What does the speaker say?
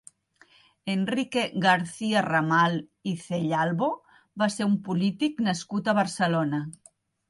Enrique García-Ramal i Cellalbo va ser un polític nascut a Barcelona.